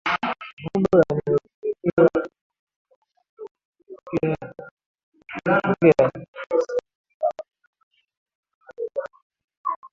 Mambo yanayopelekea ugonjwa wa minyoo kutokea ni kulisha mifugo eneo lenye majimaji au bwawa